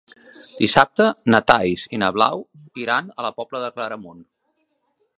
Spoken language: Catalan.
Dissabte na Thaís i na Blau iran a la Pobla de Claramunt.